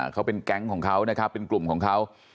เขาเป็นแก๊งของเขานะครับเป็นกลุ่มของเขา